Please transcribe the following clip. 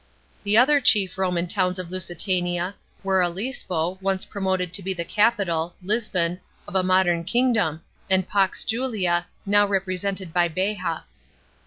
The other chief Roman towns of Lusitania were Olisipo, since promoted to be the capital (Lisbon) of a modern kingdom, and Pax Julia, now represented by Beja.